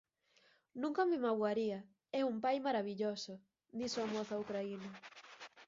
Nunca me magoaría, é un pai marabilloso", dixo a moza ucraína.